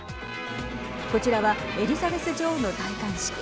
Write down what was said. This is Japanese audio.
こちらはエリザベス女王の戴冠式。